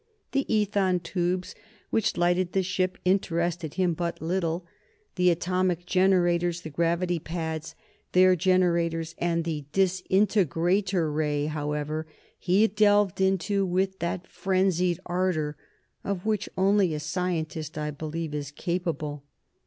The ethon tubes which lighted the ship, interested him but little. The atomic generators, the gravity pads, their generators, and the disintegrator ray, however, he delved into with that frenzied ardor of which only a scientist, I believe, is capable.